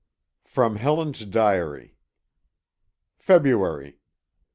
[From Helen's Diary.] _February